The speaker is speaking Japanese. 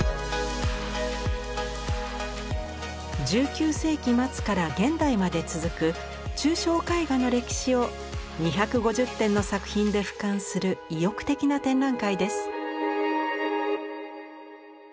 １９世紀末から現代まで続く抽象絵画の歴史を２５０点の作品で俯瞰する意欲的な展覧会です。